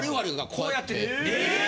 こうやっててん。